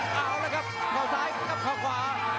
เอาเลยครับเข้าซ้ายเสียบข้าวขวา